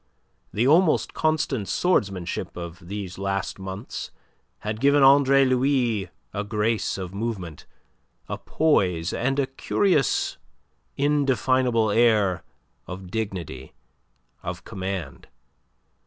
The almost constant swordmanship of these last months had given Andre Louis a grace of movement, a poise, and a curious, indefinable air of dignity, of command.